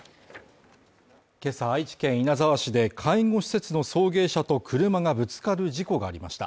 今朝愛知県稲沢市で介護施設の送迎車と車がぶつかる事故がありました。